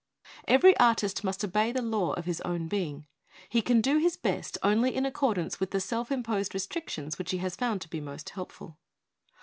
Every artist must obey the law of his own being. He can do his best only in accordance with the self imposed restrictions which he has found to be most helpful.